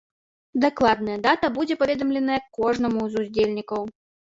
Дакладная дата будзе паведамленая кожнаму з удзельнікаў.